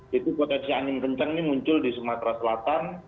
jadi potensi angin kencang ini muncul di sumatera selatan